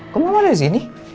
kok mama ada di sini